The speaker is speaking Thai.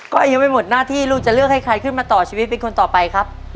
ก็ยังไม่หมดหน้าที่ลูกจะเลือกให้ใครขึ้นมาต่อชีวิตเป็นคนต่อไปครับ